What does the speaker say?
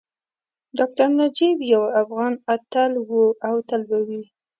ډاکټر نجیب یو افغان اتل وو او تل به وي